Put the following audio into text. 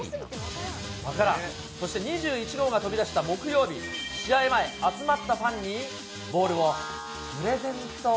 そして２１号が飛び出した木曜日、試合前、集まったファンにボールをプレゼント。